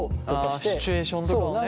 ああシチュエーションとかをね。